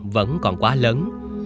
vẫn còn quá lớn